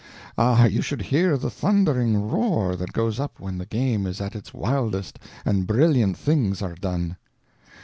Ah, you should hear the thundering roar that goes up when the game is at its wildest and brilliant things are done!